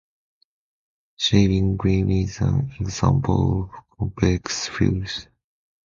Shaving cream is an example of a complex fluid.